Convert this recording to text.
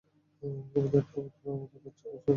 কবুতরটা অবতরণ করতে চলেছে।